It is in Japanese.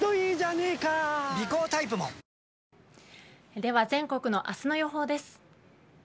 では、全国の明日の予報です。